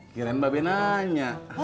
kirain be nanya